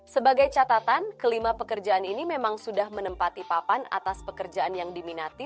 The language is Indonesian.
sebagai catatan kelima pekerjaan ini memang sudah menempati papan atas pekerjaan yang diminati